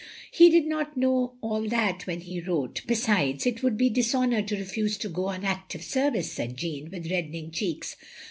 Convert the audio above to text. " "He did not know all that when he wrote. Besides, it would be dishonour to refuse to go on active service," said Jeanne, with reddening cheeks.